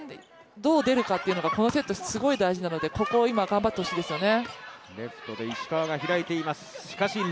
どう出るかというのがこのセットはすごい大事なので、ここを今、頑張ってほしいですね。